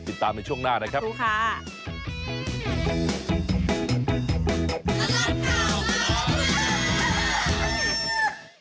ติดตามในช่วงหน้านะครับคุณผู้ชมพักกันก่อนดีกว่านะครับสำหรับต้นไม้แปลกประหลาด